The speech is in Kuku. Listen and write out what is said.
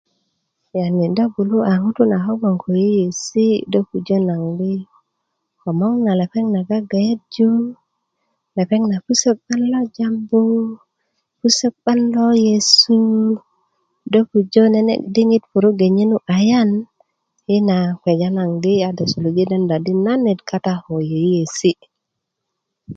yani do gbulu'ya ŋutu' na ko gboɲ ko yeyeesi' do pujö nagoŋ di komoŋ na lepeŋ na gagayerju lepeŋ na pusök 'ban lo jambu pusök 'ban lo yesu do pujö di nene' diɲit na puru' ge nye nu ayaan yina a do suluji' denda di nanet gboŋ kata ko yryeesi'